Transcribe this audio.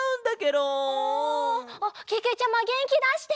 あけけちゃまげんきだして！